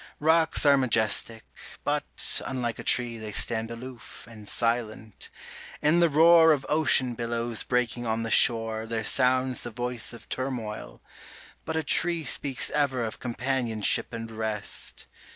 Rocks are majestic; but, unlike a tree, They stand aloof, and silent. In the roar Of ocean billows breaking on the shore There sounds the voice of turmoil. But a tree Speaks ever of companionship and rest.